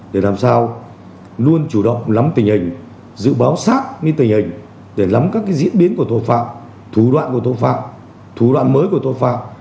để làm sao luôn chủ động lắm tình hình dự báo sát minh tình hình để lắm các diễn biến của tội phạm thủ đoạn của tội phạm thủ đoạn mới của tội phạm